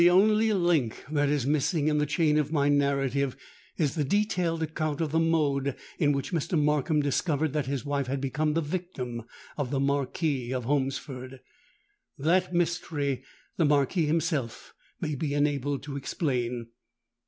The only link that is missing in the chain of my narrative is the detailed account of the mode in which Mr. Markham discovered that his wife had become the victim of the Marquis of Holmesford. That mystery the Marquis himself may be enabled to explain.